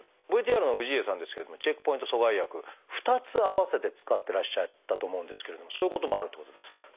ＶＴＲの氏家さんですけれども免疫チェックポイント阻害薬２つ併せて使ってらっしゃったと思うんですけれどもそういうこともあるっていうことですか？